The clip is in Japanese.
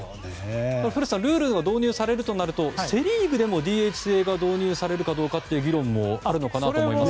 ルールが導入されるとなるとセ・リーグでもＤＨ制が導入されるかの議論もあるのかなと思います。